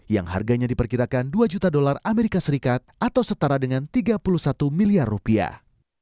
yang harganya diperkirakan dua juta dolar amerika serikat atau setara dengan tiga puluh satu miliar rupiah